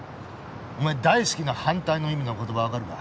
お前「大好き」の反対の意味の言葉わかるか？